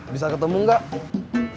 bisa ketemu gak